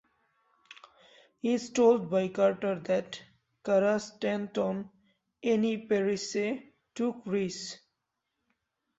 He is told by Carter that Kara Stanton (Annie Parisse) took Reese.